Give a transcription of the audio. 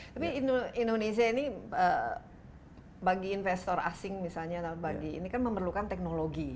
tapi indonesia ini bagi investor asing misalnya ini kan memerlukan teknologi